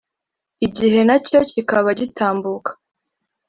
igihe na cyo kikaba gitambuka